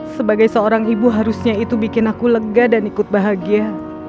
sebagai seorang ibu harusnya itu bikin aku lega dan ikut bahagia